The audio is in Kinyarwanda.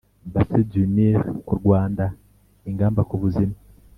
Bassin du Nil ku Rwanda ingamba kubuzima